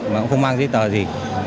mà cũng không mang giấy tờ gì